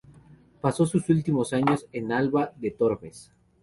Pasó sus últimos años en Alba de Tormes.